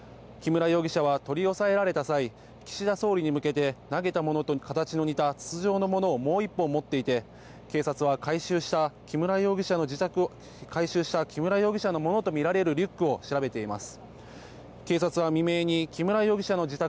木村容疑者は取り押さえられた際岸田総理に向け投げたものと形の似た筒状のものをもう１本持っていて警察は回収した木村容疑者の自宅を回収した木村容疑者のものとみられるリュックを調べています。